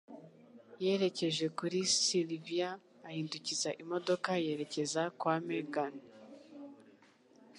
Yerekeje kuri Sylvia ahindukiza imodoka yerekeza kwa Megan.